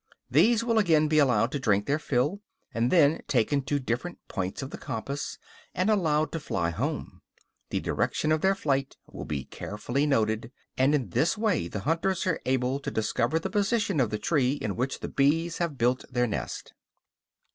These will again be allowed to drink their fill, and then taken to different points of the compass, and allowed to fly home; the direction of their flight will be carefully noted, and in this way the hunters are able to discover the position of the tree in which the bees have built their nest."